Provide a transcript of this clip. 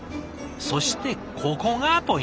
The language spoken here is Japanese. そしてここがポイント。